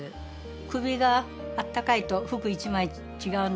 首があったかいと服１枚違うので。